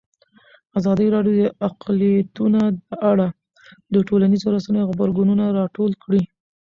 ازادي راډیو د اقلیتونه په اړه د ټولنیزو رسنیو غبرګونونه راټول کړي.